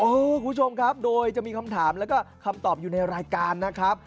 คุณผู้ชมครับโดยจะมีคำถามแล้วก็คำตอบอยู่ในรายการนะครับ